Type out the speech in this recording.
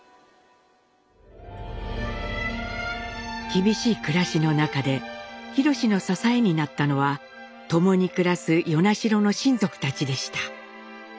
厳しい暮らしの中で廣の支えになったのは共に暮らす与那城の親族たちでした。